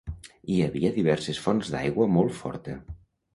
Hi havia diverses fonts d'aigua molt forta.